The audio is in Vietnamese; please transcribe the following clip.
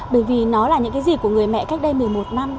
bởi vì nó là những gì của người mẹ cách đây một mươi một năm